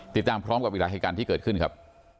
ติดตามพร้อมกับอีกหลายเหตุการณ์ที่เกิดขึ้นครับ